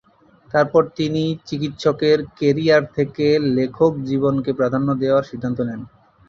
তার পর তিনি চিকিৎসকের কেরিয়ার থেকে লেখক জীবনকে প্রাধান্য দেওয়ার সিদ্ধান্ত নেন।